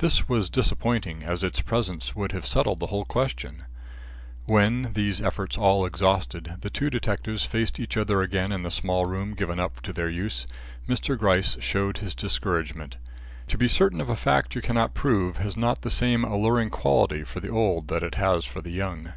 This was disappointing, as its presence would have settled the whole question. When, these efforts all exhausted, the two detectives faced each other again in the small room given up to their use, Mr. Gryce showed his discouragement. To be certain of a fact you cannot prove has not the same alluring quality for the old that it has for the young.